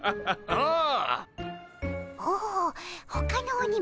ああ。